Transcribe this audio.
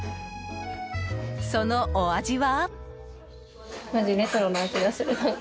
そのお味は。